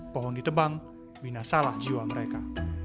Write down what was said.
pohon ditebang bina salah jiwa mereka